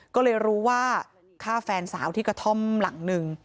ก็เลยรู้ว่าฆ่าแฟนสาวที่กระท่อมหลังหนึ่ง